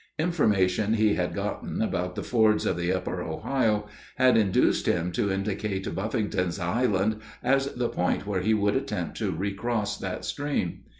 Information he had gotten about the fords of the upper Ohio had induced him to indicate Buffington's Island as the point where he would attempt to recross that stream.